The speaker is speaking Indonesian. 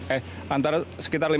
eh antara sekitar lima puluh persen